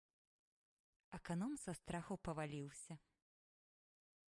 Аканом са страху паваліўся.